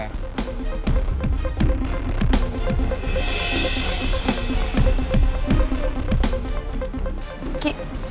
baiklah sampai koink